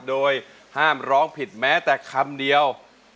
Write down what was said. โดยห้ามร้องผิดแม้แต่คำเดียว